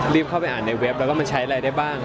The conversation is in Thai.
รีบเข้าไปอ่านในเว็บแล้วมาใช้ได้บ้าง